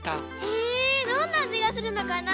へぇどんなあじがするのかな？